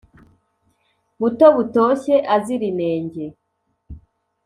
buto butoshye azira inenge